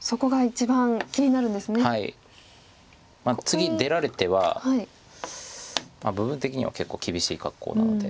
次出られては部分的には結構厳しい格好なんで。